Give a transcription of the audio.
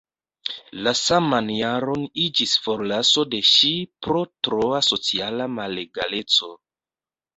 La saman jaron iĝis forlaso de ŝi pro troa sociala malegaleco.